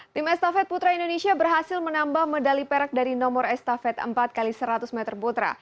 tim estafet putra indonesia berhasil menambah medali perak dari nomor estafet empat x seratus meter putra